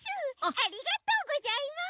ありがとうございます。